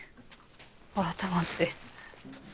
改まって。